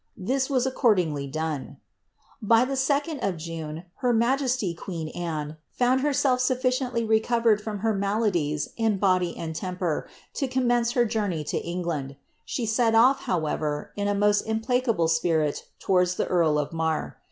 ' This was accordingly done. By the 2d of June, her majesty, queen Anne, found herself sufficiently recovered from her maladies in body and temper to commence her jour* ney to England. She set off^ however, in a most implacable spirit towards the earl of Marr.